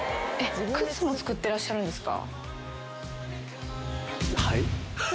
靴も作ってらっしゃるんですか？